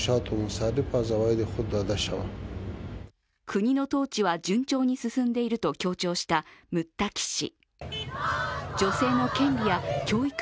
国の統治は順調に進んでいると強調したムッタキ氏。